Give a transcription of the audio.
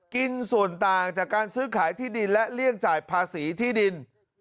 กินส่วนต่างจากการซื้อขายที่ดินและเลี่ยงจ่ายภาษีที่ดิน